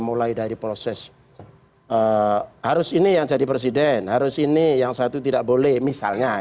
mulai dari proses harus ini yang jadi presiden harus ini yang satu tidak boleh misalnya